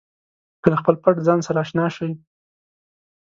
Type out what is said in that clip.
که له خپل پټ ځان سره اشنا شئ.